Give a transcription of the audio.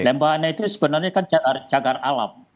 lembah hanai itu sebenarnya kan cagar alam